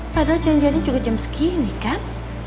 padahal janjiannya juga jam segini kan